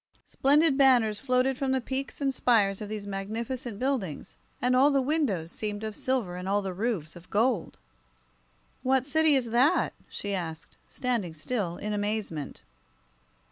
Splendid banners floated from the peaks and spires of these magnificent buildings, and all the windows seemed of silver and all the roofs of gold. "What city is that?" she asked, standing still, in amazement.